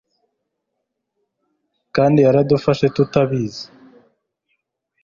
kandi yaradufashe tutabizi